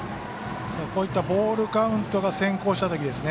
こういったボールカウントが先行したときですね。